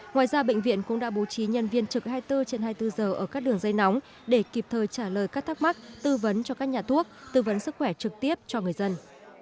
ngoài ra bệnh viện cũng đã bố trí nhân viên trực hai mươi bốn trên hai mươi bốn giờ ở các đường dây nóng để kịp thời trả lời các thắc mắc tư vấn cho các nhà thuốc tư vấn sức khỏe trực tiếp cho người dân